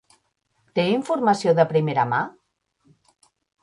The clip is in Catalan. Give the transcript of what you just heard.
Té informació de primera mà?